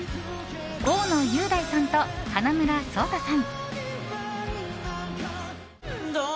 大野雄大さんと花村想太さん。